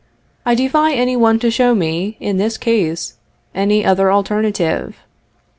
I defy any one to show me, in this case, any other alternative.